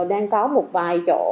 đang có một vài chỗ